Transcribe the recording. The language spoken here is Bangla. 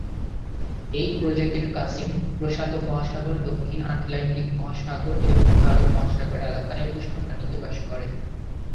এই প্রজাতির কাছিম প্রশান্ত মহাসাগর, দক্ষিণ আটলান্টিক মহাসাগর এবং ভারত মহাসাগর এলাকার উষ্ণ পানিতে বাস করে।